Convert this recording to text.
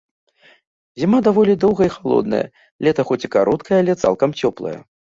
Зіма даволі доўгая і халодная, лета, хоць і кароткае, але цалкам цёплае.